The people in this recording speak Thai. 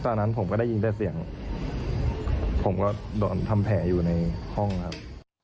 ตอนนั้นผมก็ได้ยินแต่เสียงผมก็โดนทำแผลอยู่ในห้องครับ